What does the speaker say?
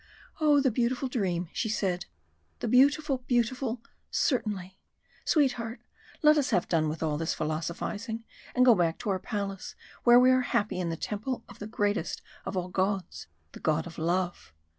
"Oh! the beautiful dream!" she said, "the beautiful, beautiful certainly! Sweetheart, let us have done with all this philosophising and go back to our palace, where we are happy in the temple of the greatest of all Gods the God of Love!"